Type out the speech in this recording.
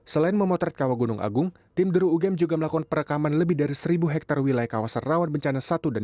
selain memotret kawah gunung agung tim deru ugm juga melakukan perekaman lebih dari seribu hektare wilayah kawasan rawan bencana satu dan dua